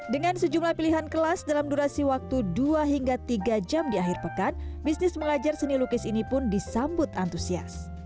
dengan sejumlah pilihan kelas dalam durasi waktu dua hingga tiga jam di akhir pekan bisnis mengajar seni lukis ini pun disambut antusias